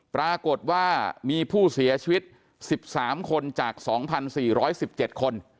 ปรากฏว่ามีผู้เสียชีวิต๑๓คนจาก๒๔๑๗คน